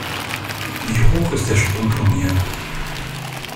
Wie hoch ist der Sprungturm hier?